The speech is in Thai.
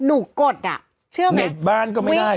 หนูกฎ่าเชื่อมั้ยเน็ตบ้านก็ไม่ได้สิ